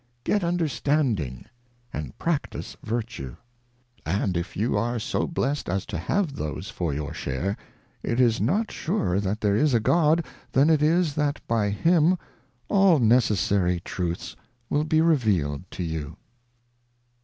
Get Under standing, and practise Vertue. And if you are so Blessed as to have those for your Share, it is not surer that there is a God, than it is, that by him all Necessary Truths will be revealed to you.